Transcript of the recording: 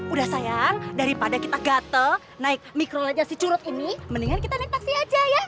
udah sayang daripada kita gatel naik mikrolajah si curut ini mendingan kita naik taksi aja ya